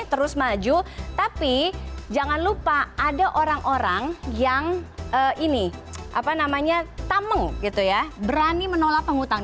terus maju tapi jangan lupa ada orang orang yang ini apa namanya tameng gitu ya berani menolak penghutang